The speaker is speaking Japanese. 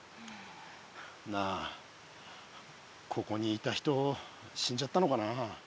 なあここにいた人死んじゃったのかな。